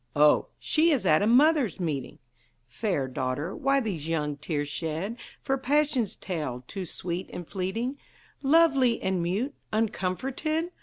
"Oh, she is at a Mothers' Meeting!" "Fair daughter, why these young tears shed, For passion's tale, too sweet and fleeting, Lonely and mute, uncomforted?"